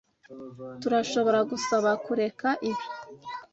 Turashobora gusaba kureka ibi?